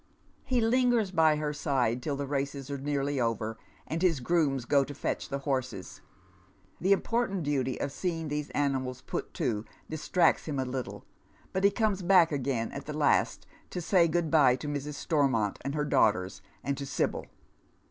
He lingers by her side till the races are nearly over, and his grooms go to fetch the horses. The important duty of seeing these animals put to distracts him a little, but he comes back again at the last to say good bye to Mrs. Stormont and her daughters and to Sibyl.